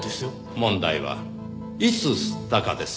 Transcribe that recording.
問題はいつ吸ったかです。